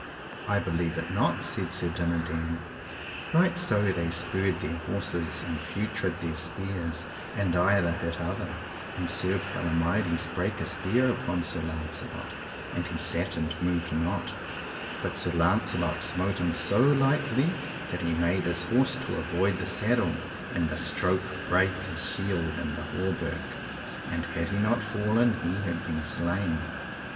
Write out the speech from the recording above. I believe it not, said Sir Dinadan. Right so they spurred their horses and feutred their spears, and either hit other, and Sir Palomides brake a spear upon Sir Launcelot, and he sat and moved not; but Sir Launcelot smote him so lightly that he made his horse to avoid the saddle, and the stroke brake his shield and the hauberk, and had he not fallen he had been slain.